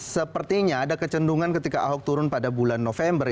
sepertinya ada kecendungan ketika ahok turun pada bulan november